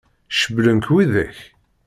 Cewwlen-k widak?